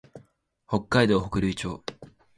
北海道北竜町